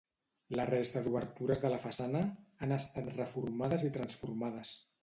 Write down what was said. La resta d'obertures de la façana han estat reformades i transformades.